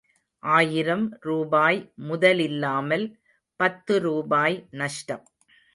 ஆயிரம் ரூபாய் முதலில்லாமல் பத்து ரூபாய் நஷ்டம்.